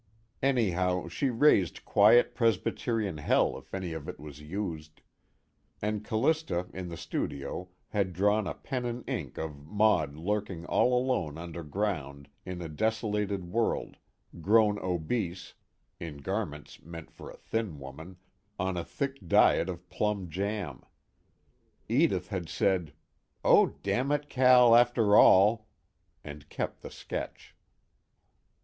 Anyhow, she raised quiet Presbyterian hell if any of it was used. And Callista in the studio had drawn a pen and ink of Maud lurking all alone underground in a desolated world, grown obese (in garments meant for a thin woman) on a thick diet of plum jam. Edith had said: "Oh, damn it, Cal, after all!" and kept the sketch.